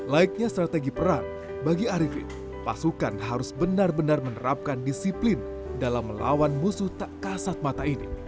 laiknya strategi perang bagi arifin pasukan harus benar benar menerapkan disiplin dalam melawan musuh tak kasat mata ini